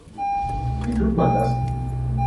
Wie tut man das?